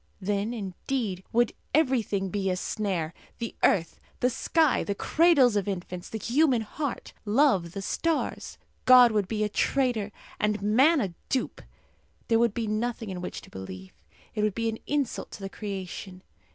Then, indeed, would everything be a snare the earth, the sky, the cradles of infants, the human heart, love, the stars. God would be a traitor and man a dupe. There would be nothing in which to believe. It would be an insult to the creation.